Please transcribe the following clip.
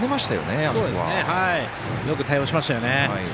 よく対応しましたよね。